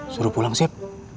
suruh pulang sip